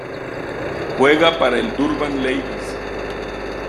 Juega para el Durban Ladies.